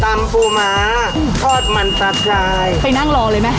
ตำภูมาทอดมันตัดขายไปนั่งรอเลยไหม